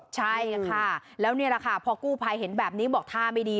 ใช่ค่ะแล้วนี่แหละค่ะพอกู้ภัยเห็นแบบนี้บอกท่าไม่ดี